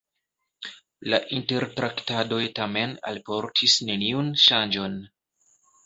La intertraktadoj tamen alportis neniun ŝanĝon.